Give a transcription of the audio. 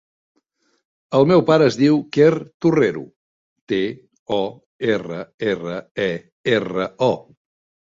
El meu pare es diu Quer Torrero: te, o, erra, erra, e, erra, o.